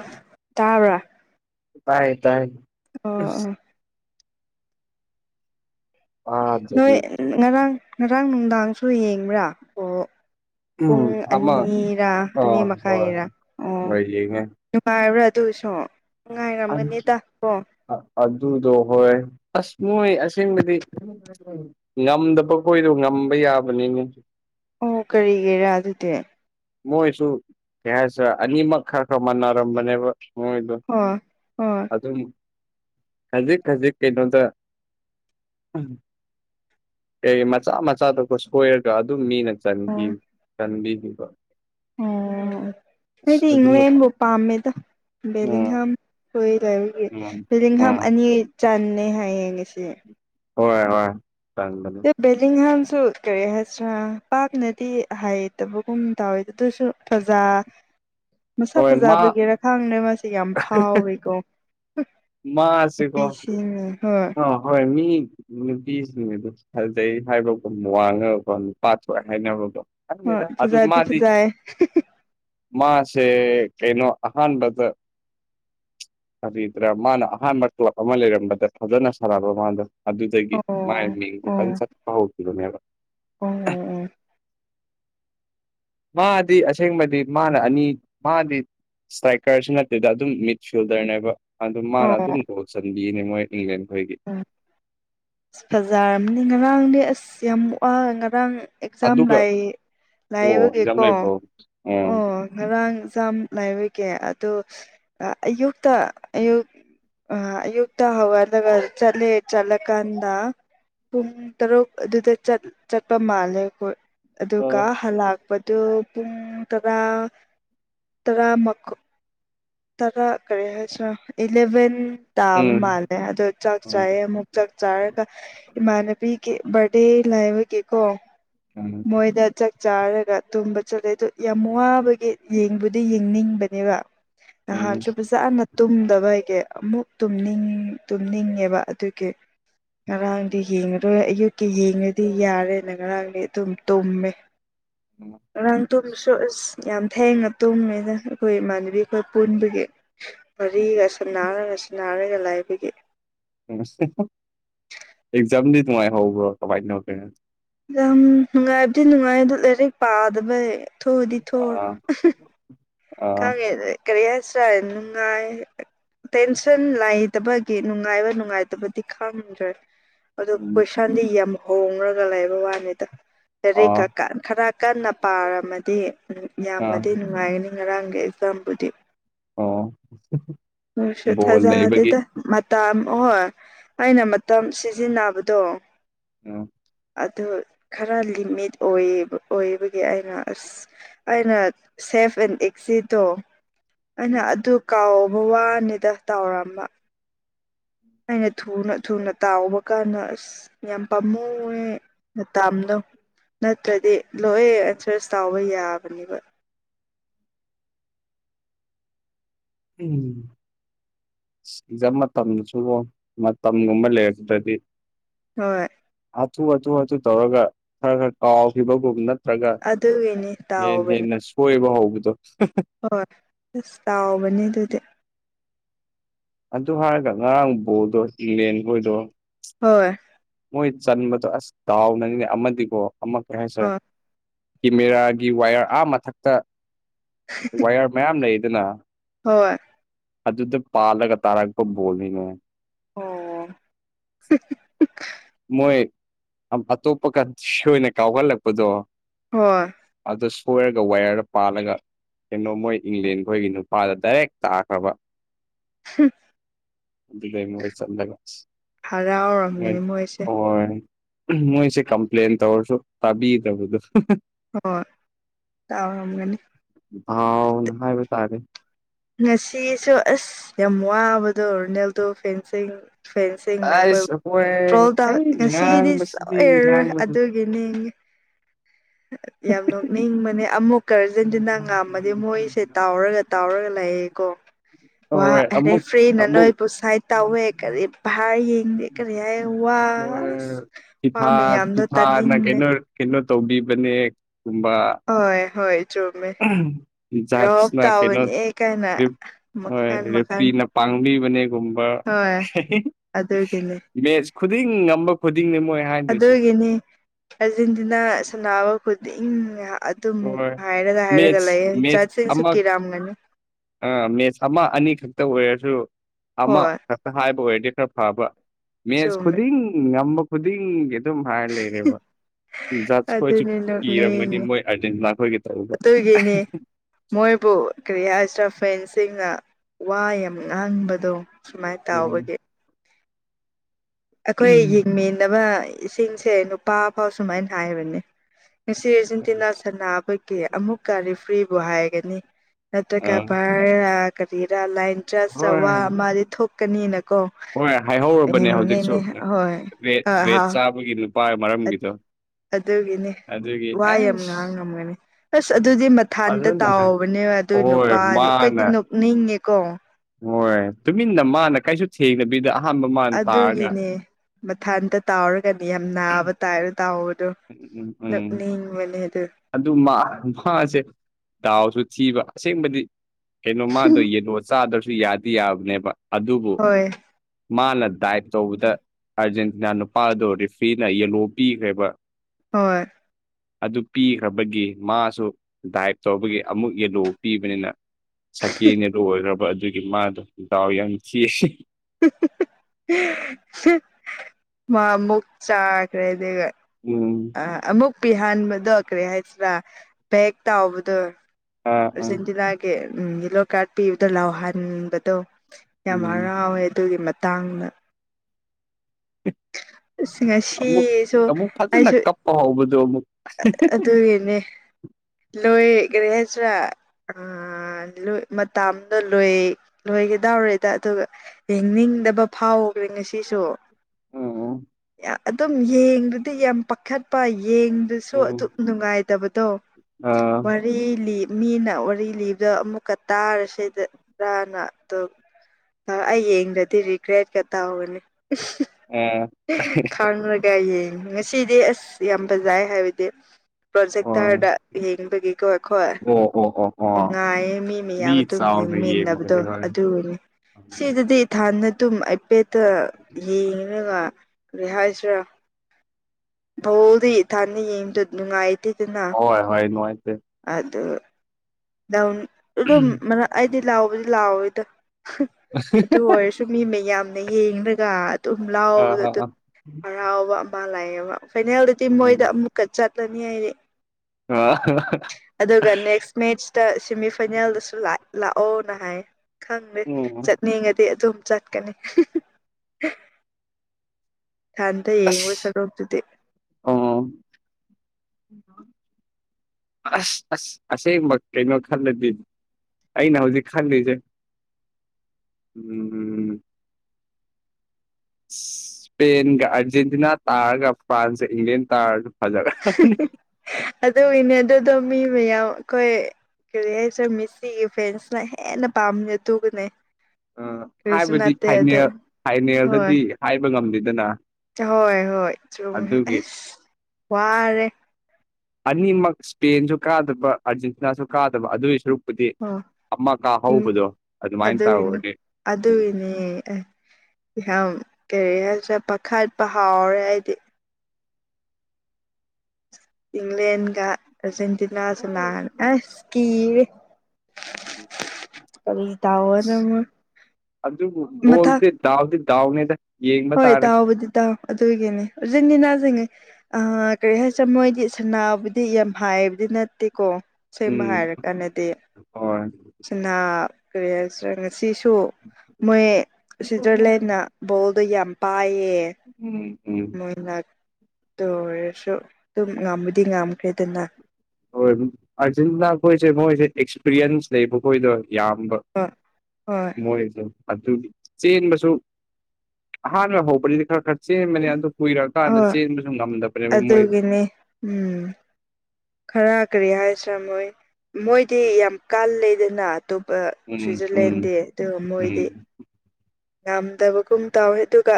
ꯑꯁ ꯇꯥꯕꯔ ꯇꯥꯏ ꯇꯥꯏ ꯑꯣ ꯑꯣ ꯅꯣꯏ ꯑꯗꯨꯗꯤ ꯉꯔꯥꯡ ꯉꯔꯥꯡ ꯅꯨꯡꯗꯥꯡꯁꯨ ꯌꯦꯡꯕ꯭ꯔꯥ ꯑꯣ ꯄꯨꯡ ꯎꯝ ꯑꯃ ꯑꯅꯤꯔꯥ ꯑ ꯑꯅꯤ ꯍꯣꯏ ꯃꯈꯥꯏꯔꯥ ꯑꯣ ꯍꯣꯏ ꯌꯦꯡꯉꯦ ꯅꯨꯡꯉꯥꯏꯕ꯭ꯔꯥ ꯑꯗꯨꯁꯨ ꯅꯨꯡꯉꯥꯏꯔꯝꯃꯅꯤꯗ ꯀꯣ ꯑ ꯑꯗꯨꯗꯣ ꯍꯣꯏ ꯑꯁ ꯃꯣꯏ ꯑꯁꯦꯡꯕꯗꯤ ꯉꯝꯗꯕꯈꯣꯏꯗꯣ ꯉꯝꯕ ꯌꯥꯕꯅꯤꯅꯦ ꯑꯣ ꯀꯔꯤꯒꯤꯔꯥ ꯑꯗꯨꯗꯤ ꯃꯣꯏꯁꯨ ꯀꯩ ꯍꯥꯏꯁꯤꯔꯥ ꯑꯅꯤꯃꯛ ꯈꯔ ꯈꯔ ꯃꯅꯥꯔꯝꯕꯅꯦꯕ ꯃꯣꯏꯗꯣ ꯍꯣ ꯍꯣꯏ ꯑꯗꯨꯝ ꯈꯖꯤꯛ ꯈꯖꯤꯛ ꯀꯩꯅꯣꯗ ꯀꯩ ꯃꯆꯥ ꯃꯆꯥꯗꯨꯗ ꯁꯣꯏꯔꯒ ꯑꯗꯨꯝ ꯃꯤꯅ ꯑꯣ ꯆꯟꯒꯤ ꯆꯟꯕꯤꯈꯤꯕ ꯑꯣ ꯑꯁ ꯈꯣꯏꯗꯤ ꯑꯗꯨ ꯏꯪꯂꯦꯟꯕꯨ ꯄꯥꯝꯃꯤꯗ ꯎꯝ ꯕꯦꯂꯤꯡꯍꯝ ꯍꯣꯏ ꯂꯩꯕꯒꯤ ꯎꯝ ꯕꯦꯂꯤꯡꯍꯝ ꯎꯝ ꯑꯅꯤ ꯆꯟꯅꯦ ꯍꯥꯏꯌꯦ ꯉꯁꯤ ꯍꯣꯏ ꯍꯣꯏ ꯆꯟꯕꯅꯦ ꯕꯦꯂꯤꯡꯍꯝꯁꯨ ꯀꯔꯤ ꯍꯥꯏꯁꯤꯔꯥ ꯄꯥꯛꯅꯗꯤ ꯍꯩꯇꯕꯒꯨꯝ ꯇꯧꯋꯦ ꯑꯗꯨꯁꯨ ꯐꯖꯥ ꯃꯁꯛ ꯍꯣꯏ ꯃꯥ ꯐꯖꯕꯒꯤꯔ ꯈꯪꯗꯦ ꯃꯥꯁꯦ ꯌꯥꯝ ꯐꯥꯎꯔꯤꯀꯣ ꯅꯨꯄꯤꯁꯤꯡ ꯍꯣꯏ ꯑ ꯍꯣꯏ ꯃꯤ ꯅꯨꯄꯤꯁꯤꯡ ꯑꯗꯨ ꯐꯖꯩ ꯍꯥꯏꯕꯒꯨꯝ ꯋꯥꯡꯉꯒꯀꯣ ꯅꯨꯄꯥ ꯊꯣꯛꯑꯦ ꯍꯥꯏꯅꯕꯒꯣ ꯍꯣꯏ ꯐꯖꯥꯗꯤ ꯐꯖꯩ ꯃꯥꯁꯦ ꯀꯩꯅꯣ ꯑꯍꯥꯟꯕꯗ ꯃꯥꯅ ꯑꯍꯥꯟꯕ ꯀꯥꯂ꯭ꯕ ꯑꯃ ꯂꯩꯔꯝꯕꯗꯨ ꯐꯖꯅ ꯁꯥꯅꯕ ꯃꯥꯗꯣ ꯑꯗꯨꯗꯒꯤ ꯑꯣ ꯃꯥꯏ ꯃꯤꯡꯁꯦ ꯑꯣ ꯐꯖ ꯆꯠꯄ ꯍꯧꯈꯤꯕꯅꯦꯕ ꯑꯣ ꯃꯥꯗꯤ ꯑꯁꯦꯡꯕꯗꯤ ꯃꯥꯅ ꯑꯅꯤ ꯃꯥꯗꯤ ꯏꯁꯇ꯭ꯔꯥꯏꯀꯔꯁꯨ ꯅꯠꯇꯦꯗ ꯑꯗꯨꯝ ꯃꯤꯗ ꯐꯤꯜꯗꯔꯅꯦꯕ ꯑꯗꯨ ꯃꯥꯅ ꯑꯣ ꯑꯗꯨꯝ ꯒꯣꯜ ꯆꯟꯕꯤꯅꯤ ꯃꯣꯏ ꯏꯪꯂꯦꯟ ꯈꯣꯏꯒꯤ ꯑꯁ ꯐꯖꯥꯔꯝꯅꯤ ꯉꯔꯥꯡꯗꯤ ꯑꯁ ꯌꯥꯝ ꯋꯥ ꯉꯔꯥꯡ ꯑꯦꯛꯖꯥꯝ ꯑꯗꯨꯒ ꯂꯩ ꯂꯩꯕꯒꯤ ꯑꯦꯛꯖꯥꯝ ꯀꯣ ꯂꯩꯕ꯭ꯔꯣ ꯑꯣ ꯉꯔꯥꯡ ꯑꯦꯛꯖꯥꯝ ꯂꯩꯕꯒꯤ ꯑꯗꯣ ꯑꯌꯨꯛꯇ ꯑꯌꯨꯛ ꯑ ꯌꯨꯛꯇ ꯍꯧꯒꯠꯂꯒ ꯆꯠꯂꯦ ꯆꯠꯂꯀꯥꯟꯗ ꯄꯨꯡ ꯇꯔꯨꯛ ꯑꯗꯨꯗ ꯆꯠ ꯆꯠꯄ ꯃꯥꯜꯂꯦ ꯑꯩꯈꯣꯏ ꯑ ꯑꯗꯨꯒ ꯍꯜꯂꯥꯛꯄꯗꯨ ꯄꯨꯡ ꯇꯔꯥ ꯇꯔꯥ ꯃꯈꯥꯢ ꯇꯔꯥ ꯀꯔꯤ ꯍꯥꯏꯁꯤꯔꯥ ꯏꯂꯦꯚꯦꯟ ꯇꯥꯕ ꯎꯝ ꯃꯥꯜꯂꯦ ꯑꯗꯣ ꯆꯥꯛ ꯎꯝ ꯆꯥꯏꯌꯦ ꯑꯃꯨꯛ ꯆꯥꯛ ꯆꯥꯔꯒ ꯏꯃꯥꯟꯅꯕꯤꯒꯤ ꯕꯥꯔꯗꯦ ꯂꯥꯏꯕꯒꯤꯀꯣ ꯎꯝ ꯃꯣꯏꯗ ꯆꯛ ꯆꯥꯔꯒ ꯇꯨꯝꯕ ꯆꯠꯂꯦ ꯑꯗꯨ ꯌꯥꯝ ꯋꯥꯕꯒꯤ ꯌꯦꯡꯕꯨꯗꯤ ꯌꯦꯡꯅꯤꯡꯕꯅꯦꯕ ꯎꯝ ꯅꯍꯥꯟꯁꯨ ꯐꯖꯅ ꯇꯨꯝꯗꯕꯒꯤ ꯑꯃꯨꯛ ꯇꯨꯝꯅꯤꯡ ꯇꯨꯝꯅꯤꯡꯉꯦꯕ ꯑꯗꯨꯒꯤ ꯉꯔꯥꯡꯗꯤ ꯌꯦꯡꯉꯔꯣꯏ ꯑꯌꯨꯛꯀꯤ ꯌꯦꯡꯉꯗꯤ ꯌꯥꯔꯦꯅ ꯉꯔꯥꯡꯗꯤ ꯑꯗꯨꯝ ꯇꯨꯝꯃꯦ [unintelligible] ꯉꯔꯥꯡ ꯇꯨꯝꯕꯁꯨ ꯑꯁ ꯌꯥꯝ ꯊꯦꯡꯅ ꯇꯨꯝꯃꯦꯗ ꯑꯩꯈꯣꯏ ꯏꯃꯥꯟꯅꯕꯤ ꯈꯣꯏ ꯄꯨꯟꯕꯒꯤ ꯋꯥꯔꯤꯒ ꯎꯝ ꯁꯟꯅꯥꯔꯒ ꯁꯟꯅꯥꯔꯒ ꯂꯩꯕꯒꯤ ꯑꯦꯛꯖꯥꯝꯗꯤ ꯅꯨꯡꯉꯥꯏꯍꯧꯕ꯭ꯔꯣ ꯀꯃꯥꯏ ꯇꯧꯒꯦ ꯌꯥꯝ ꯅꯨꯡꯉꯥꯏꯕꯗꯤ ꯅꯨꯡꯉꯥꯏ ꯑꯗꯨ ꯂꯥꯏꯔꯤꯛ ꯄꯥꯗꯕꯩ ꯊꯣꯛꯕꯗꯤ ꯊꯣꯛꯑꯔꯣꯢ ꯑꯥ ꯑꯥ ꯈꯪꯉꯦ ꯀꯔꯤ ꯍꯥꯏꯁꯤꯔ ꯅꯨꯡꯉꯥꯏ ꯇꯦꯟꯁꯟ ꯂꯩꯥꯏꯇꯕꯒꯤ ꯅꯨꯡꯉꯥꯏꯕ ꯅꯨꯡꯉꯥꯏꯇꯕꯗꯤ ꯈꯪꯗ꯭ꯔꯦ ꯑꯗꯨ ꯎꯝ ꯀꯣꯏꯁꯟꯗꯤ ꯌꯥꯝ ꯍꯣꯡꯔꯒ ꯂꯩꯕ ꯋꯥꯅꯤꯗ ꯑꯥ ꯂꯩꯔꯤꯛꯀ ꯈꯔ ꯀꯟꯅ ꯄꯥꯔꯝꯃꯗꯤ ꯑꯥ ꯌꯥꯝꯃꯗꯤ ꯅꯨꯡꯉꯥꯏꯒꯅꯤ ꯉꯔꯥꯡꯒꯤ ꯑꯦꯛꯖꯥꯝ ꯕꯨꯗꯤ ꯑꯣ ꯃꯣꯏꯁꯨ ꯕꯣꯜ ꯂꯩꯕꯒꯤ ꯊꯖꯥꯗꯦꯗ ꯃꯇꯝ ꯑꯍꯣꯏ ꯑꯩꯅ ꯃꯇꯝ ꯁꯤꯖꯤꯟꯅꯕꯗꯣ ꯑꯝ ꯑꯗꯨ ꯈꯔ ꯂꯤꯃꯤꯠ ꯑꯣꯏꯕ ꯑꯣꯏꯕꯒꯤ ꯑꯩꯅ ꯑꯁ ꯑꯩꯅ ꯁꯦꯐ ꯑꯦꯟ ꯑꯦꯛꯖꯤꯠꯇꯣ ꯑꯩꯅ ꯎꯝ ꯑꯗꯨ ꯀꯥꯎꯕ ꯋꯥꯅꯤꯗ ꯇꯥꯎꯔꯝꯕ ꯑꯩꯅ ꯊꯨꯅ ꯊꯨꯅ ꯇꯥꯎꯕ ꯀꯥꯟꯗ ꯑꯁ ꯌꯥꯝ ꯄꯥꯝꯃꯨꯋꯦ ꯃꯇꯥꯝꯗꯣ ꯅꯠꯇ꯭ꯔꯗꯤ ꯂꯣꯏ ꯑꯟꯁꯔꯁ ꯇꯥꯎꯕ ꯌꯥꯕꯅꯦꯕ ꯎꯝ ꯁꯤꯖꯥꯝ ꯃꯇꯝꯗꯁꯨ ꯃꯇꯝꯒꯨꯝꯕ ꯂꯩꯔꯛꯇꯔ꯭ꯗꯤ ꯍꯣꯏ ꯍꯥꯊꯨ ꯍꯥꯊꯨ ꯍꯥꯊꯨ ꯇꯧꯔꯒ ꯈꯔ ꯈꯔ ꯀꯥꯎꯈꯤꯕꯒꯨꯝꯅ ꯇ꯭ꯔꯒ ꯑꯗꯨꯒꯤꯅꯤ ꯃꯦꯟꯅ ꯇꯥꯎꯕꯅꯤ ꯃꯦꯟꯅ ꯁꯣꯏꯕ ꯍꯧꯕꯗꯣ [unintelligible] ꯍꯣꯏ ꯏꯁ ꯇꯥꯎꯕꯅꯦ ꯑꯗꯨꯗꯤ ꯑꯗꯨ ꯍꯥꯏꯔꯒ ꯉꯔꯥꯡ ꯕꯣꯜꯗꯣ ꯏꯪꯂꯦꯟ ꯍꯣꯏꯗꯣ ꯍꯣꯏ ꯃꯣꯏ ꯆꯥꯅꯤꯡꯕꯗꯣ ꯑꯁ ꯇꯥꯎꯅ ꯑꯃꯗꯤꯀꯣ ꯑꯃ ꯀꯩ ꯍꯥꯏꯁꯦ ꯍꯣꯏ ꯀꯦꯃꯦꯔꯥꯒꯤ ꯋꯥꯌꯔ ꯑꯥ ꯃꯊꯛꯇ ꯋꯥꯌꯔ ꯃꯌꯥꯝ ꯂꯩꯗꯅ ꯍꯣꯏ ꯑꯗꯨꯗ ꯄꯥꯜꯂꯒ ꯇꯥꯔꯒ ꯕꯣꯜꯅꯤꯅꯦ ꯑꯣ [unintelligible] ꯃꯣꯏ ꯑꯇꯣꯞꯄ ꯀꯟꯇ꯭ꯔꯤ ꯑꯣꯏꯅ ꯀꯥꯎꯒꯠꯂꯛꯄꯗꯣ ꯍꯣꯏ ꯑꯗꯨꯗ ꯁꯣꯏꯔꯒ ꯋꯥꯌꯔꯗ ꯄꯥꯜꯂꯒ ꯀꯩꯅꯣ ꯃꯣꯏ ꯏꯪꯂꯦꯟ ꯈꯣꯏꯒꯤ ꯅꯨꯄꯥꯗ ꯗꯥꯏꯔꯦꯛ ꯇꯥꯛꯈ꯭ꯔꯕ [unintelligible] ꯑꯗꯨꯗ ꯆꯠꯂꯒ ꯍꯔꯥꯎꯔꯝꯒꯅꯤ [unintelligible] ꯃꯣꯏꯁꯦ ꯍꯣꯏ ꯃꯣꯏꯁꯦ ꯀꯝꯄ꯭ꯂꯦꯟ ꯇꯧꯔꯁꯨ ꯇꯥꯕꯤꯗꯕꯗꯣ [unintelligible] ꯍꯣꯏ ꯇꯥꯎꯔꯝꯒꯅꯤ ꯗꯥꯎꯟ ꯍꯥꯏꯕ ꯇꯥꯔꯦ ꯃꯦꯁꯤꯁꯨ ꯑꯁ ꯌꯥꯝ ꯋꯥꯕꯗꯣ ꯔꯣꯅꯦꯜꯗꯣ ꯐꯦꯟꯁꯤꯡ ꯐꯦꯟꯁꯤꯡꯅ ꯑꯩꯈꯣꯏ ꯇ꯭ꯔꯣꯜ ꯇ ꯑꯩ ꯉꯁꯤꯗꯤ ꯉꯥꯡꯕꯁꯤꯗꯤ ꯁꯣꯏꯔꯔꯣꯏ ꯉꯥꯡꯕꯁꯤ ꯑꯗꯨꯒꯤꯅꯦ ꯌꯥꯝ ꯅꯣꯛꯅꯤꯡꯕꯅꯦ ꯑꯃꯨꯛ ꯀꯥꯔꯖꯦꯟꯇꯤꯅꯥ ꯉꯥꯝꯃꯗꯤ ꯃꯣꯏꯁꯦ ꯇꯥꯎꯔꯒ ꯇꯥꯎꯔꯒ ꯂꯥꯛꯑꯦꯀꯣ ꯋꯥ ꯍꯣꯏ ꯑꯦꯔꯦ ꯑꯃꯨꯛ ꯐ꯭ꯔꯤ ꯅ ꯑꯃꯨꯛ ꯅꯣꯏꯕꯨ ꯁꯥꯏꯠ ꯇꯧꯋꯦ ꯀꯔꯤ ꯚꯥꯔ ꯌꯦꯡꯗꯦ ꯀꯔꯤ ꯍꯥꯏꯌꯦ ꯋꯥ ꯑꯁ ꯍꯣꯏ, ꯋꯥ ꯐꯤꯐꯥ ꯃꯌꯥꯝꯗꯣ ꯐꯤꯐꯥꯅ ꯇꯥꯅꯤꯡꯗꯦ ꯀꯩꯅꯣ ꯀꯩꯅꯣ ꯇꯧꯕꯤꯕꯅꯦ ꯀꯨꯝꯕ ꯍꯣꯏ ꯍꯣꯏ ꯆꯨꯝꯃꯦ ꯔꯣꯞ ꯖꯍꯖꯅ ꯀꯩꯅꯣ ꯇꯥꯕꯅꯦ ꯀꯥꯏꯅ ꯔꯤꯞ ꯍꯣꯏ ꯃꯈꯜ ꯃꯈꯜ ꯔꯦꯐ꯭ꯔꯤꯅ ꯄꯥꯡꯕꯤꯕꯅꯦꯒꯨꯝꯕ ꯑꯗꯨꯒꯤꯅꯦ ꯃꯦꯁ ꯈꯨꯗꯤꯡ ꯉꯝꯕ ꯈꯨꯗꯤꯡꯅꯦ ꯃꯣꯏ ꯍꯥꯏꯗꯣꯏꯁꯦ ꯑꯗꯨꯒꯤꯅꯤ ꯑꯥꯔꯖꯦꯟꯇꯤꯅꯥ ꯁꯥꯟꯅꯕ ꯈꯨꯗꯤꯡ ꯉꯥꯏꯍꯥꯛ ꯑꯗꯨꯝ ꯍꯣꯏ ꯍꯥꯏꯔꯒ ꯍꯥꯏꯔꯒ ꯂꯩꯌꯦ ꯃꯦꯠꯆ ꯃꯦꯠꯆ ꯆꯖꯥꯠꯁꯤꯡꯁꯨ ꯑꯃ ꯀꯤꯔꯥꯝꯒꯅꯤ ꯑꯥ ꯃꯦꯠꯁ ꯑꯃ ꯑꯅꯤꯈꯛꯇ ꯑꯣꯏꯔꯁꯨ ꯑꯃ ꯍꯣꯏ ꯍꯥꯏꯕ ꯑꯣꯏꯔꯗꯤ ꯈꯔ ꯐꯕ ꯃꯦꯠꯁ ꯆꯨꯝꯃꯦ ꯈꯨꯗꯤꯡ ꯉꯝꯕ ꯈꯨꯗꯤꯡꯒꯤ ꯁꯨꯝ ꯍꯥꯏꯔ ꯂꯩꯔꯦꯕ ꯖꯥꯠ ꯈꯣꯏꯁꯨ ꯑꯗꯨꯅꯤ ꯀꯤꯔꯝꯒꯅꯤ ꯅꯣꯛꯅꯤꯡꯉꯤ ꯃꯣꯏ ꯑꯥꯔꯖꯦꯟꯇꯤꯅꯥ ꯈꯣꯏꯒ ꯇꯒ ꯑꯗꯨꯒꯤꯅꯤ [unintelligible] ꯃꯣꯏꯕꯨ ꯀꯔꯤ ꯍꯥꯏ ꯏꯁꯇꯥ꯭ꯔꯐꯦꯟꯁꯤꯡꯅ ꯋꯥ ꯌꯥꯝ ꯉꯥꯡꯍꯟꯕꯗꯣ ꯁꯨꯃꯥꯏꯅ ꯇꯥꯎꯕꯒꯤ ꯎꯝ ꯑꯩꯈꯣꯏ ꯌꯦꯡꯃꯤꯟꯅꯕ ꯏꯁꯤꯡꯁꯦ ꯅꯨꯄꯥ ꯐꯥꯎ ꯁꯨꯃꯥꯏꯅ ꯍꯥꯏꯕꯅꯦ ꯉꯁꯤ ꯑꯔꯖꯦꯟꯇꯤꯅꯥ ꯁꯅꯥꯅꯕꯒꯤ ꯑꯃꯨꯛꯀ ꯔꯤꯐ꯭ꯔꯤꯕꯨ ꯍꯥꯏꯒꯅꯤ ꯅꯠꯇ꯭ꯔꯒ ꯑꯥ ꯚꯔ ꯀꯔꯤꯔꯥ ꯂꯥꯏꯟ ꯍꯣꯏ ꯆ꯭ꯔꯁꯋꯥ ꯑꯃꯗꯤ ꯊꯣꯛꯀꯅꯤꯅ ꯍꯣꯏ ꯍꯥꯏꯍꯧꯔꯕꯅꯦ ꯍꯧꯖꯤꯛꯁꯨ ꯍꯣꯏ ꯔꯦ ꯑꯥ ꯔꯦꯠ ꯍꯥꯎ ꯆꯥꯕꯒꯤ ꯅꯨꯄꯥ ꯃꯔꯝꯒꯤꯗꯣ ꯑꯗꯨꯒꯤꯅꯤ ꯑꯗꯨꯒꯤ ꯋꯥ ꯌꯥꯝ ꯑꯩꯁ ꯉꯥꯡꯉꯝꯒꯅꯤ ꯑꯁ ꯑꯗꯨꯗꯤ ꯃꯊꯥꯟꯇ ꯐꯖꯅ ꯍꯥꯏ ꯇꯥꯎꯕꯅꯦꯕ ꯑꯗꯨ ꯍꯣꯏ ꯅꯨꯄꯥꯗꯤ ꯑꯩꯈꯣꯏ ꯃꯥꯅ ꯅꯣꯛꯅꯤꯡꯉꯦꯀꯣ ꯍꯣꯏ ꯇꯨꯃꯤꯟꯅ ꯃꯥꯅ ꯀꯩꯁꯨ ꯊꯦꯡꯅꯕꯤꯗ ꯑꯍꯥꯟꯕ ꯃꯥꯅ ꯇꯥꯔꯒ ꯑꯗꯨꯒꯤꯅꯦ ꯃꯊꯟꯇ ꯇꯥꯎꯔꯒꯅꯤ ꯌꯥꯝ ꯅꯥꯕ ꯇꯥꯏꯔ ꯇꯥꯎꯕꯗꯣ ꯎꯝ ꯎꯝ ꯅꯛꯅꯤ ꯃ‌ꯣꯛꯅꯤꯡꯕꯅꯤ ꯑꯗꯨ ꯑꯗꯨ ꯃꯥꯁꯦ ꯗꯥꯎꯁꯨ ꯊꯤꯕ ꯑꯁꯦꯡꯕꯗꯤ ꯀꯩꯅꯣ ꯃꯥꯗꯣ ꯌꯦꯅꯣ ꯆꯥꯗ꯭ꯔꯁꯨ ꯌꯥꯗꯤ ꯌꯥꯕꯅꯦꯕ ꯑꯗꯨꯕꯨ ꯍꯣꯏ ꯃꯥꯅ ꯗꯥꯏꯠ ꯇꯧꯕꯗ ꯑꯥꯔꯖꯦꯟꯇꯤꯅꯥ ꯅꯨꯄꯥꯗꯣ ꯔꯤꯐꯤꯅ ꯌꯦꯂꯣ ꯄꯤꯈ꯭ꯔꯦꯕ ꯍꯣꯏ ꯑꯗꯨ ꯄꯤꯈ꯭ꯔꯕꯒꯤ ꯃꯥꯁꯨ ꯗꯥꯏꯞ ꯇꯧꯕꯒꯤ ꯑꯃꯨꯛ ꯌꯦꯂꯨ ꯄꯤꯕꯅꯤꯅ ꯁꯀꯦꯟ ꯌꯦꯂꯣ ꯑꯣꯏꯈ꯭ꯔꯕ ꯑꯗꯨꯒꯤ ꯃꯥꯗꯣ ꯗꯥꯎ ꯌꯥꯝ ꯊꯤ [unintelligible] ꯃꯥꯃꯨꯛ ꯆꯥꯈ꯭ꯔꯦꯗꯨꯒ ꯎꯝ ꯑ ꯑꯃꯨꯛ ꯄꯤꯍꯟꯕꯗꯣ ꯀꯔꯤ ꯍꯥꯏꯁꯤꯔꯥ ꯕꯦꯛ ꯇꯥꯎꯕꯗꯣ ꯑꯥ ꯑꯥ ꯑꯔꯖꯦꯟꯇꯤꯅꯥꯒꯤ ꯎꯝ ꯌꯦꯂꯣ ꯀꯥꯔꯠ ꯄꯤꯕꯗꯣ ꯂꯥꯎꯍꯟꯕꯗꯣ꯫ ꯌꯥꯝ ꯎꯝ ꯍꯔꯥꯎꯋꯦ ꯑꯗꯨꯒꯤ ꯃꯇꯥꯡꯗ꯫ ꯑꯁ ꯑꯃꯨꯛ ꯉꯁꯤꯁꯨ ꯑꯃꯨꯛ ꯐꯖꯅ ꯑꯩꯁꯨ ꯀꯞꯄ ꯍꯧꯕꯗꯣ ꯑꯃꯨꯛ꯫ ꯑꯗꯨꯒꯤꯅꯦ ꯂꯣꯏ ꯀꯔꯦ ꯍꯥꯏꯁꯤꯔꯥ ꯑꯥ ꯂꯣꯏ ꯃꯇꯝꯗꯨ ꯂꯣꯏꯒꯗꯧꯔꯦꯗ ꯑꯗꯨꯒ ꯌꯦꯡꯅꯤꯡꯗꯕ ꯐꯥꯎꯈ꯭ꯔꯦ ꯉꯁꯤꯁꯨ꯫ [unintelligible] ꯑꯗꯨꯝ ꯌꯦꯡꯕꯗꯤ ꯌꯥꯝ ꯄꯥꯈꯠꯄ ꯌꯦꯡꯗ ꯁꯨ ꯎꯝ ꯑꯗꯨꯝ ꯅꯨꯡꯉꯥꯏꯇꯕꯗꯣ ꯑꯥ ꯋꯥ ꯔꯤ ꯂꯤ ꯃꯤꯅ ꯋꯥꯔꯤ ꯂꯤꯕꯗꯣ ꯑꯃꯨꯛꯀ ꯇꯥꯔꯁꯤꯗꯔꯥꯅ ꯑꯗꯨ ꯒ ꯑꯩ ꯌꯦꯡꯗ꯭ꯔꯗꯤ ꯔꯤꯒ꯭ꯔꯦꯠꯀ ꯇꯧꯒꯅꯤ ꯑ ꯈꯥꯡꯉꯒ ꯌꯦꯡ ꯉꯁꯤꯗꯤ ꯑꯁ ꯌꯥꯝ ꯐꯖꯥꯏ ꯍꯥꯏꯕꯗꯤ ꯍꯣꯏ ꯄ꯭ꯔꯣꯖꯦꯛꯇꯔꯗ ꯌꯦꯡꯕꯒꯤꯀꯣ ꯈꯣꯏ꯫ ꯑꯣ ꯑꯣ ꯑꯣ ꯑꯣ ꯅꯨꯡꯉꯥꯏꯌꯦ ꯃꯤ ꯃꯌꯥꯝ ꯑꯗꯨꯝ ꯆꯥꯎꯅ ꯌꯦꯡꯃꯤꯟꯅꯕꯗꯣ ꯌꯦꯡꯕꯒꯗꯤ ꯍꯣꯏ ꯑꯗꯨꯅꯦ꯫ ꯁꯤꯗꯗꯤ ꯏꯊꯥꯟꯗ ꯑꯗꯨꯝ ꯑꯥꯏꯄꯦꯠꯇ ꯌꯦꯡꯂꯒꯥ ꯀꯔꯤ ꯍꯥꯏꯁꯤꯔꯥ꯫ ꯕꯣꯜꯗꯤ ꯏꯊꯟꯗ ꯌꯦꯡꯕꯗꯨ ꯅꯨꯡꯉꯥꯏꯇꯦꯗꯅ꯫ ꯍꯣꯏ ꯍꯣꯏ ꯅꯨꯡꯉꯥꯏꯇꯦ꯫ ꯑꯗꯨ [unintelligible] ꯑꯗꯨꯝ ꯑꯩꯗꯤ ꯂꯥꯎꯕꯗꯤ ꯂꯥꯎꯋꯦꯗ ꯑꯗꯨ ꯑꯣꯏꯔ ꯁꯨ ꯃꯤ ꯃꯌꯥꯝꯅ ꯌꯦꯡꯂꯥꯒ ꯑꯗꯨꯝ ꯑꯥ ꯂꯥꯎꯕꯗꯣ ꯑꯥ ꯑꯗꯨ꯫ ꯑꯥ ꯍꯔꯥꯎꯕ ꯑꯃ ꯂꯩꯑꯦꯕ ꯐꯥꯏꯅꯦꯜꯗꯗꯤ ꯑꯥ ꯃꯣꯏꯗ ꯑꯃꯨꯛꯀ ꯆꯠꯂꯅꯤ ꯑꯩꯗꯤ꯫ ꯑꯗꯨꯒꯥ ꯅꯦꯛꯁ ꯃꯦꯁ ꯇ ꯁꯦꯃꯤꯐꯥꯏꯅꯦꯜꯗꯁꯨ ꯂꯥꯛꯑꯣꯅ ꯍꯥꯏ ꯈꯪꯗꯦ ꯎꯝ ꯆꯠꯅꯤꯡꯉꯗꯤ ꯑꯗꯨꯝ ꯆꯠ ꯀꯅꯤ ꯏꯊꯥꯟꯗ ꯌꯦꯡꯕ ꯑꯁ ꯁꯔꯨꯛ ꯇꯨꯗꯤ꯫ ꯑꯣ ꯑꯁ ꯑꯁ ꯑꯁꯦꯡꯕ ꯀꯩꯅꯣ ꯈꯜꯂꯗꯤ꯫ ꯑꯩꯅ ꯍꯧꯖꯤꯛ ꯈꯜꯂꯤꯁꯦ ꯎꯝ ꯏꯁꯄꯦꯟꯒ ꯑꯥꯔꯖꯦꯟꯇꯤꯅꯥ ꯇꯥꯔꯒ ꯐ꯭ꯔꯥꯟꯁ ꯏꯪꯂꯦꯟ ꯇꯥꯔꯁꯨ ꯐꯖ [unintelligible] ꯑꯗꯨꯒꯤꯅꯦ ꯑꯗꯨꯗꯣ ꯃꯤ ꯃꯌꯥꯝ ꯑꯩꯈꯣꯏ ꯀꯔꯤ ꯍꯥꯏꯁꯤꯔꯥ ꯃꯤꯁꯤꯒꯤ ꯐꯦꯟꯁꯅ ꯍꯦꯟꯅ ꯄꯥꯝꯕꯅꯦ ꯑꯗꯨꯒꯅꯦ ꯑ ꯀꯔꯤꯁꯨ ꯍꯥꯏꯕꯗꯤ ꯅꯠꯇꯦ ꯑꯗꯨ ꯐꯥꯏꯅꯦꯜ ꯍꯣꯏ ꯐꯥꯏꯅꯦꯜꯗꯗꯤ ꯍꯥꯏꯕ ꯉꯝꯗꯦꯗꯅ꯫ ꯍꯣꯏ ꯍꯣꯏ ꯆꯨꯝ ꯑꯗꯨꯒꯤ ꯑꯁ ꯋꯥꯔꯦ꯫ ꯑꯅꯤꯃꯛ ꯏꯁꯄꯦꯟꯁꯨ ꯀꯥꯗꯕ ꯑꯥꯔꯖꯦꯟꯇꯤꯅꯥꯁꯨ ꯀꯥꯗꯕ ꯑꯗꯨꯒꯤ ꯁꯔꯨꯛ ꯗꯤ ꯑꯣ ꯑꯃ ꯀꯥ ꯍꯧꯕꯗꯣ ꯑꯗꯨꯃꯥꯏꯅ ꯇꯧꯔꯗꯤ ꯎꯝ ꯑꯗꯨꯅꯦ ꯑꯦ ꯌꯥꯝ ꯀꯔꯤ ꯍꯥꯏꯁꯤꯔ ꯄꯥꯈꯠꯄ ꯍꯥꯎꯔꯦ ꯑꯩꯗꯤ ꯏꯪꯂꯦꯟꯒ ꯑꯔꯖꯦꯟꯇꯤꯅꯥ ꯁꯅꯥ ꯑꯁ ꯀꯤꯔꯦ ꯎꯝ ꯀꯔꯤ ꯑꯗꯨꯕꯨ [unintelligible] ꯃꯊꯛ ꯕꯣꯜꯗꯤ ꯗꯥꯎꯗꯤ ꯗꯥꯎꯅꯦꯗ꯫ ꯌꯦꯡꯕ ꯍꯣꯏ ꯇꯥꯔꯦ ꯗꯥꯎꯕꯨꯗꯤ ꯗꯥꯎ ꯑꯗꯨꯒꯤꯅꯦ ꯑꯔꯒꯦꯟꯇꯤꯅꯥ ꯁꯤꯡꯉ ꯑ ꯀꯔꯤ ꯍꯥꯏꯁꯤꯔꯥ ꯃꯣꯏꯗꯤ ꯁꯟꯅꯥꯕꯗꯤ ꯌꯥꯝ ꯍꯥꯏꯕꯗꯤ ꯅꯠꯇꯦꯀꯣ ꯁꯦꯝꯕ ꯎꯝ ꯍꯥꯏꯔ ꯀꯥꯟꯗꯗꯤ ꯍꯣꯏ ꯁꯟꯅꯥ ꯀꯔꯤ ꯍꯥꯏꯁꯤꯔꯥ ꯉꯁꯤꯁꯨ ꯃꯣꯏ ꯁ꯭ꯋꯤꯖꯔꯂꯦꯟꯅ ꯕꯣꯜ ꯑꯗꯨ ꯌꯥꯝ ꯄꯥꯏꯌꯦ ꯎꯝ ꯎꯝ ꯃꯣꯏꯅ ꯇꯣꯏꯔꯁꯨ ꯑꯗꯨꯝ ꯉꯝꯕꯗꯤ ꯉꯝꯈ꯭ꯔꯦꯗꯅ ꯍꯣꯏ ꯑꯥꯔꯖꯦꯟꯇꯤꯅꯥ ꯈꯣꯏꯁꯦ ꯃꯣꯏꯁꯦ ꯑꯦꯛꯁꯄꯤꯔꯤꯌꯦꯟꯁ ꯂꯩꯕꯈꯣꯏꯗꯣ ꯌꯥꯝꯕ ꯄ ꯍꯣꯏ ꯃꯣꯏꯗꯣ ꯑꯗꯨꯒꯤ ꯆꯦꯟꯕꯁꯨ ꯑꯍꯥꯟꯕ ꯍꯧꯕꯅꯤꯅ ꯈꯔ ꯈꯔ ꯆꯦꯟꯕꯅꯦ ꯑꯗꯨ ꯀꯨꯏꯔꯛꯀꯥꯟꯗ ꯍꯣꯏ ꯆꯦꯟꯕꯁꯨ ꯉꯝꯗꯕꯅꯦꯕ ꯃꯣꯏ ꯑꯗꯨꯒꯤꯅꯤ ꯎꯝ ꯈꯔ ꯀꯔꯤ ꯍꯥꯏꯁ꯭ꯔꯥ ꯃꯣꯏ ꯃꯣꯏꯗꯤ ꯌꯥꯝ ꯀꯜꯂꯦꯗꯅ ꯑꯇꯣꯞꯄ ꯎꯝ ꯎꯝ ꯁ꯭ꯋꯤꯖꯔꯂꯦꯟꯗꯤ ꯑꯗꯨꯒ ꯃꯣꯏꯗꯤ ꯎꯝ ꯉꯝꯗꯕꯒꯨꯝ ꯇꯧꯋꯦ ꯑꯗꯨꯒ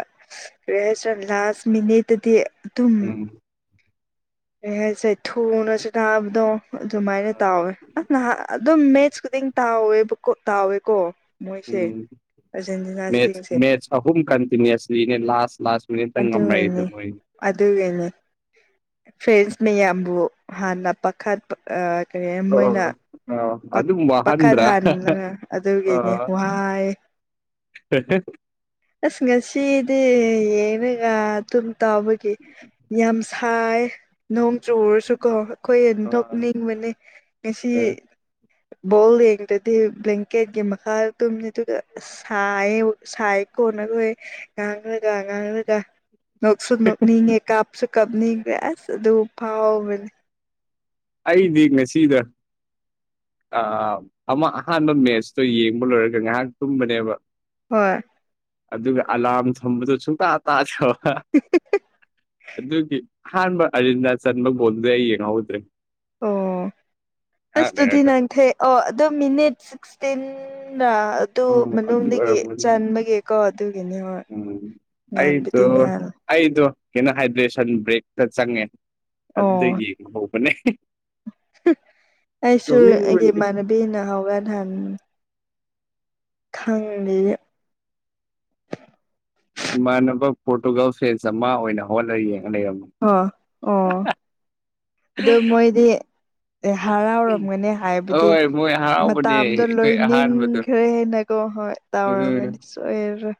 ꯀꯔꯤ ꯍꯥꯏꯁꯤꯔꯥ ꯂꯥꯁ ꯃꯤꯅꯤꯠꯇꯗꯤ ꯑꯗꯨꯝ ꯎꯝ ꯀꯩ ꯍꯥꯏꯁꯦ ꯊꯨꯅ ꯁꯟꯅꯥꯕꯗꯣ ꯑꯗꯨꯃꯥꯏꯅ ꯇꯧꯋꯦ ꯑꯁ ꯅꯍꯥꯟ ꯑꯗꯨꯝ ꯃꯦꯠꯁ ꯈꯨꯗꯤꯡ ꯇꯥꯎꯋꯦꯕꯀꯣ ꯇꯥꯎꯋꯦꯀꯣ ꯃꯣꯏꯁꯦ ꯎꯝ ꯃꯦꯠꯁ ꯑꯥꯔꯖꯦꯟꯇꯤꯅꯥꯁꯤꯡꯁꯦ ꯃꯦꯁꯠ ꯑꯍꯨꯝ ꯀꯟꯇꯤꯅꯨꯁꯂꯤ ꯂꯥꯁ ꯂꯥꯁ ꯃꯤꯅꯤꯠꯇ ꯉꯝꯃꯛꯏꯗꯣ ꯑꯗꯨꯒꯤꯅꯦ ꯃꯣꯏ ꯑꯗꯨꯒꯤꯅꯦ ꯐꯦꯟꯁ ꯃꯌꯥꯝꯕꯨ ꯍꯥꯟꯅ ꯄꯥꯈꯠ ꯑꯥ ꯀꯔꯤ ꯃꯣꯏꯅ ꯑꯣ ꯑꯗꯨꯝ ꯄꯥꯈꯠ ꯋꯥꯍꯟꯗ꯭ꯔꯥ ꯍꯥ ꯍꯥ ꯍꯥꯟꯅ ꯑꯗꯨꯒꯤꯅꯤ ꯑꯣ ꯋꯥꯏ ꯍꯦ ꯍꯦ ꯑꯁ ꯉꯁꯤꯗꯤ ꯌꯦꯡꯔꯒ ꯑꯗꯨꯨꯝ ꯇꯥꯎꯕꯒꯤ ꯌꯥꯝ ꯁꯥꯏ ꯅꯣꯡ ꯆꯨꯨꯔꯁꯨꯀꯣ ꯑꯩꯈꯣꯏ ꯑ ꯅꯣꯛꯅꯤꯡꯕꯅꯤ ꯉꯁꯤ ꯕꯣꯜ ꯌꯦꯡꯗꯗꯤ ꯕ꯭ꯂꯀꯦꯠꯒꯤ ꯃꯈꯥꯗ ꯇꯨꯝ ꯅꯤ ꯑꯗꯨꯒꯥ ꯁꯥꯏ ꯁꯥꯏ ꯌꯦꯀꯣꯅ ꯑꯩꯈꯣꯏ ꯉꯥꯡꯔꯒ ꯉꯥꯡꯔꯒ ꯅꯣꯛꯁꯨ ꯅꯣꯛꯅꯤꯡꯉꯦ ꯀꯥꯞꯁꯨ ꯀꯥꯞꯅꯤꯡꯈ꯭ꯔꯦ ꯑꯁ ꯑꯗꯨ ꯐꯥꯎꯕꯅꯦ ꯑꯩꯗꯤ ꯉꯁꯤꯗꯣ ꯑꯥ ꯑꯃ ꯑꯍꯥꯟꯕ ꯃꯦꯠꯁꯇꯣ ꯌꯦꯡꯕ ꯂꯣꯏꯔꯒ ꯉꯥꯏꯍꯥꯛ ꯇꯨꯝꯕꯅꯦꯕ ꯍꯣꯏ ꯑꯗꯨꯒ ꯑꯂꯥꯔꯝ ꯊꯝꯕꯗꯣ ꯁꯨꯡꯇꯥ ꯇꯥꯗ꯭ꯔꯕ ꯑꯗꯨꯒꯤ ꯑꯍꯥꯟꯕꯥ ꯑꯔꯖꯦꯟꯇꯤꯅꯥ ꯆꯟꯕ ꯒꯣꯜꯗꯨꯗꯤ ꯑꯩ ꯌꯦꯡꯍꯧꯗ꯭ꯔꯦ ꯑꯣ ꯉꯥꯏꯍꯥꯛ ꯑꯁ ꯑꯗꯨꯗꯤ ꯂꯩꯔꯒ ꯅꯪ ꯊꯦ ꯑꯣ ꯑꯗꯨ ꯃꯤꯅꯤꯠ ꯁꯤꯛꯁꯇꯤꯟꯅ ꯑꯗꯨꯨ ꯎꯝ ꯑꯗꯨ ꯃꯅꯨꯡꯗꯒꯤ ꯑꯣꯏꯔꯝꯒꯅꯤ ꯆꯟꯕꯒꯤꯀꯣ ꯑꯗꯨꯒꯤꯅꯤ ꯍꯣꯏ ꯎꯝ ꯑꯩꯗꯣ ꯉꯥꯟꯕꯨꯗꯤ ꯉꯥꯜꯂ ꯑꯩꯗꯣ ꯀꯩꯅꯣ ꯍꯥꯏꯗ꯭ꯔꯦꯁꯟ ꯕ꯭ꯔꯦꯛꯇ ꯆꯪꯉꯦ ꯑꯗꯨꯗꯩ ꯌꯦꯡ ꯍꯧꯕꯅꯦ ꯍ ꯑꯩꯁꯨ ꯑꯩꯒꯤ ꯅꯣꯛꯅꯤꯡꯕꯅꯤ ꯏꯃꯥꯟꯅꯕꯤꯅ ꯍꯧꯒꯠ ꯍꯟ ꯈꯪꯗꯦꯌꯦ ꯏꯃꯥꯟꯅꯕ ꯄꯣꯔꯇꯨꯒꯜ ꯐꯦꯟꯁ ꯑꯃ ꯑꯣꯏꯅ ꯍꯣꯠꯂꯒ ꯌꯦꯡꯉ ꯂꯩꯔꯝꯃꯦ ꯑꯣ ꯑꯣ ꯑꯗꯨ ꯃꯣꯏꯗꯤ ꯑꯦ ꯍꯔꯥꯎꯔꯝꯒꯅꯤ ꯍꯥꯏꯕꯗꯤ ꯍꯣꯏ ꯃꯣꯏ ꯍꯔꯥꯎꯕꯅꯦ ꯃꯇꯥꯝꯗꯣ ꯑꯩꯈꯣꯏ ꯑꯍꯥꯟꯕꯗꯣ ꯂꯣꯏꯅꯤꯡꯈ꯭ꯔꯦ ꯍꯥꯏꯅꯀꯣ ꯍꯣꯏ ꯎꯝ ꯇꯥꯎꯔꯝꯒꯗꯤ ꯁꯣꯏꯔꯔꯣꯏ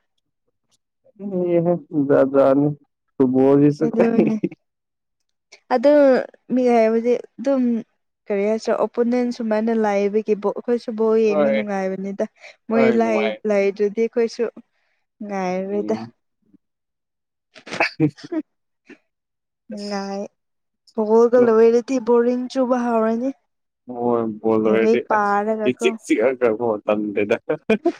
ꯅꯣꯛꯅꯤꯡꯉꯤ ꯍꯦ ꯖꯥꯠ ꯖꯥꯠꯅꯤ ꯐꯨꯠꯕꯣꯜꯁꯤꯁꯨ ꯑꯗꯨꯅꯦ [unintelligible] ꯑꯗꯨ ꯃꯤꯍꯩꯕꯗꯤ ꯑꯗꯨꯝ ꯀꯔꯤ ꯍꯥꯏꯁꯔ ꯑꯣꯄꯣꯅꯦꯟ ꯁꯨꯃꯥꯏꯅ ꯂꯥꯏꯕꯒꯤꯕꯨ ꯑꯩꯈꯣꯏꯁꯨ ꯕꯣꯜ ꯌꯦꯡꯕ ꯍꯣꯏ ꯅꯨꯡꯉꯥꯏꯕꯅꯤꯗ ꯃꯣꯏ ꯍꯣꯏ ꯂꯩ ꯅꯨꯡꯉꯥꯏ ꯂꯥꯏꯇ꯭ꯔꯗꯤ ꯑꯩꯈꯣꯏꯁꯨ ꯉꯥꯏꯔꯣꯏꯗ ꯎꯝ ꯍꯨꯝ ꯅꯨꯡꯉꯥꯏ ꯑꯁ ꯕꯣꯜꯒ ꯂꯣꯏꯔꯗꯤ ꯕꯣꯔꯤꯡ ꯆꯨꯕ ꯍꯧꯔꯅꯤ ꯃꯣꯏ ꯕꯣꯜ ꯂꯣꯏꯔꯗꯤ ꯂꯥꯏꯔꯤꯛ ꯑꯁ ꯄꯥꯔꯒꯀꯣ ꯏꯆꯤꯛ ꯆꯤꯛꯑꯒ ꯀꯣ ꯇꯟꯒ꯭ꯔꯦꯗ ꯑꯍꯥ ꯍꯥ